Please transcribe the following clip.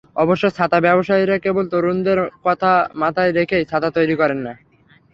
অবশ্য ছাতা ব্যবসায়ীরা কেবল তরুণদের কথা মাথায় রেখেই ছাতা তৈরি করেন না।